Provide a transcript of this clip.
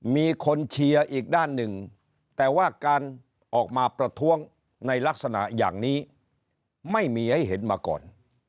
มีคนเชียร์อีกด้านหนึ่งแต่ว่าการออกมาประท้วงในลักษณะอย่างนี้ไม่มีให้เห็นมาก่อน